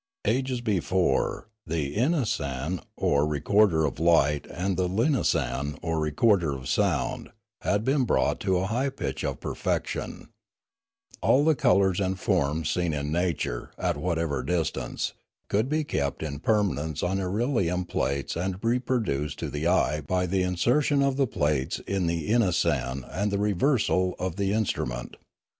Ages before, the inasan or re corder of light and the linasan or recorder of sound had My Education Continued 267 been brought to a high pitch of perfection; all the colours and forms seen in nature, at whatever distance, could be kept in permanence on irelium plates and re produced to the eye by the insertion of the plates in the inasan and the reversal of the instrument.